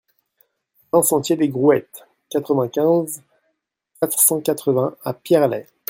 vingt sentier des Grouettes, quatre-vingt-quinze, quatre cent quatre-vingts à Pierrelaye